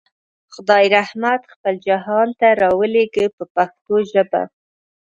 خدای رحمت خپل جهان ته راولېږه په پښتو ژبه.